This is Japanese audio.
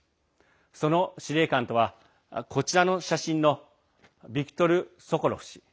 その司令官とは、こちらの写真のビクトル・ソコロフ氏。